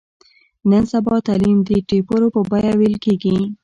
نن سبا تعلیم د ټېپرو په بیه ویل کېږي.